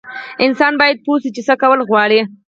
انسان باید پوه شي چې څه کول غواړي.